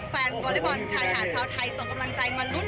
แฟนบอไลฟอลชายการชาวไทยส่วนกำลังใจมารุน